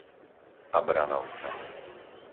Abranovce